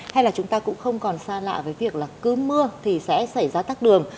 hay là chúng ta cũng không còn xa lạ với việc là cứ mưa thì sẽ xảy ra tắc đường